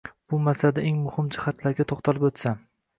Bu masalada eng muhim jihatlarga to‘xtalib o‘tsam.